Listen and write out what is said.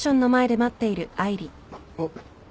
あっ。